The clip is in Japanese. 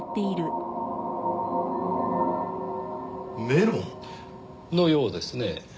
メロン？のようですねぇ。